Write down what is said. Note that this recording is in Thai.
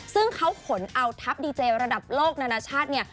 ซึ่งเขาขนเอาทัพดีเจระดับโลกนานาชาติเนี่ย